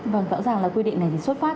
và rõ ràng là quy định này xuất phát